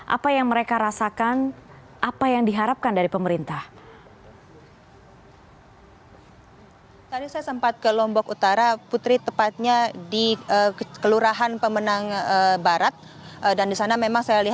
apa yang mereka rasakan apa yang diharapkan dari pemerintah